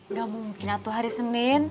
nggak mungkin atau hari senin